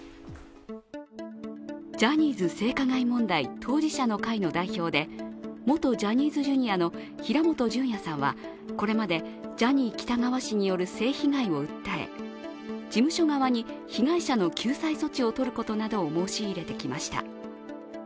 ジャニーズ性加害問題当事者の会の代表で、元ジャニーズＪｒ．の平本淳也さんはこれまでジャニー喜多川氏による性被害を訴え事務所側に被害者の救済措置をとることなどを申し入れてきました。